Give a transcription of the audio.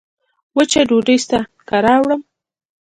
وچه ډوډۍ سته که راوړم